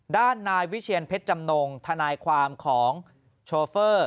ด้านนายวิเชียนเพชรจำนงทนายความของโชเฟอร์